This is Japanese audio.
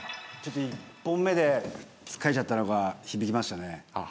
１本目でつっかえちゃったのが響きましたね。